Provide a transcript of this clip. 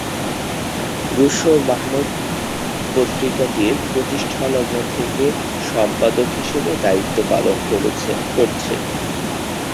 Russo Mahmud পত্রিকাটির প্রতিষ্ঠালগ্ন থেকে সম্পাদক হিসেবে দায়িত্ব পালন করছেন।